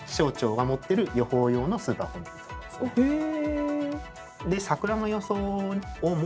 へえ。